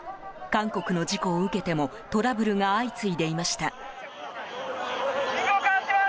韓国の事故を受けてもトラブルが相次いでいました。